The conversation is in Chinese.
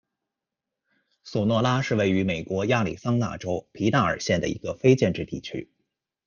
索诺拉是位于美国亚利桑那州皮纳尔县的一个非建制地区。